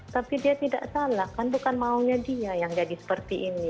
tapi dia tidak salah kan bukan maunya dia yang jadi seperti ini